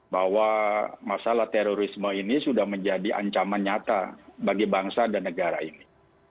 bahwa masalah terorisme ini sudah menjadi ancaman nyata bagi bangsa dan negara ini